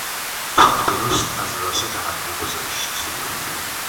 توپ درست از وسط حلقه گذشت.